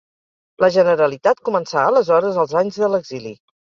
La Generalitat començà aleshores els anys de l'exili.